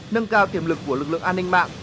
nâng cao tiềm lực của lực lượng an ninh mạng